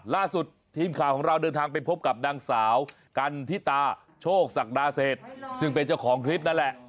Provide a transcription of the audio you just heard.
ล่าสุดทีมข่าวของเราเดินทางไปพบกับนางสาวกันทิตาโชคศักดาเศษซึ่งเป็นเจ้าของคลิปนั่นแหละ